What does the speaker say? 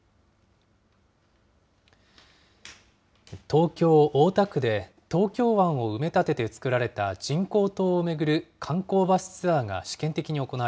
東京・大田区で、東京湾を埋め立ててつくられた人工島を巡る観光バスツアーが試験